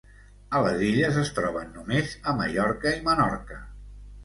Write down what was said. A les Illes es troben només a Mallorca i Menorca.